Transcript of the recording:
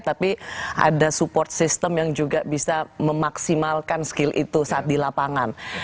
tapi ada support system yang juga bisa memaksimalkan skill itu saat di lapangan